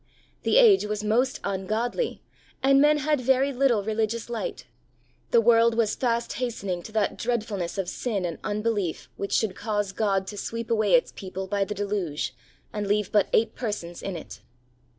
The age was most ungodly, and men had very little religious light. The world was fast hastening to that dreadfulness of sin and unbelief which 38 HEART TALKS ON HOLINESS. should cause God to sweep away its people by the deluge and leave but eight persons in it.